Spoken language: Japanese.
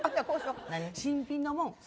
新品のもの。